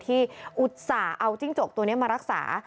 อุตส่าห์เอาจิ้งจกตัวนี้มารักษา